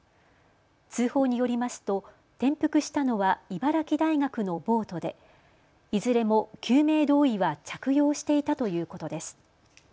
通報によりますと転覆したのは茨城大学のボートでいずれも救命胴衣は着用していたということです。